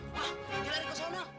wah dia lari ke sana